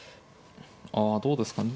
あどうですかね。